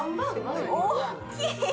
大きい！